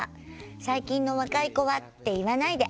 「最近の若い子はって言わないで。